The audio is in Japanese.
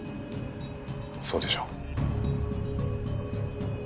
そうでしょう？